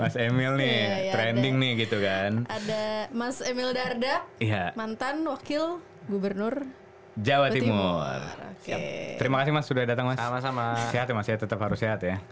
sehat ya mas tetap harus sehat ya